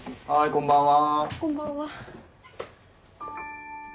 こんばんは。